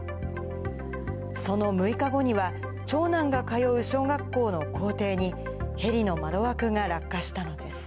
その６日後には、長男が通う小学校の校庭に、ヘリの窓枠が落下したのです。